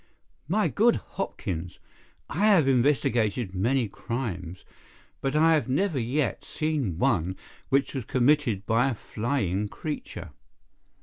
"My good Hopkins, I have investigated many crimes, but I have never yet seen one which was committed by a flying creature.